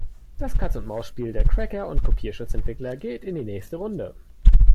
Das Katz-und-Maus-Spiel der Cracker und Kopierschutzentwickler geht in die nächste Runde.